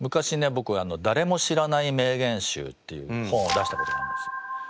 僕「誰も知らない名言集」っていう本を出したことがあるんですよ。